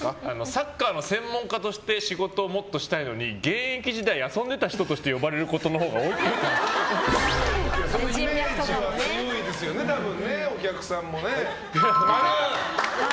サッカーの専門家として仕事をもっとしたいのに現役時代、遊んでた人として呼ばれることがそういう雰囲気は、お客さんも。